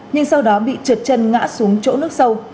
nhưng sau đó bị trượt chân ngã xuống chỗ nước sâu